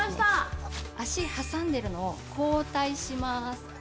足挟んでるのを交代します。